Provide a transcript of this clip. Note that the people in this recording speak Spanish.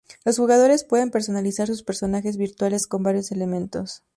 Los jugadores pueden personalizar sus personajes virtuales con varios elementos.